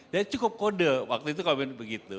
dan cukup kode waktu itu kalau begitu